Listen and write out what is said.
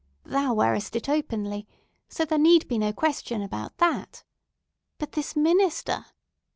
Thou wearest it openly, so there need be no question about that. But this minister!